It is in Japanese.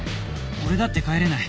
俺だって帰れない